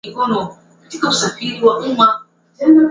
Lifumika aliamua kukimbia asubuhi ya tarehe kumi na tisa mwezi wa saba